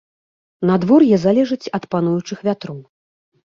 Надвор'е залежыць ад пануючых вятроў.